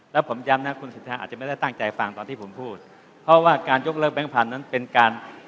แล้วผมย้ำนะคุณสิทธาอาจจะไม่ได้ตั้งใจฟังตอนที่ผมพูดเพราะว่าการยกเลิกแบงค์พันธุ์นั้นเป็นการ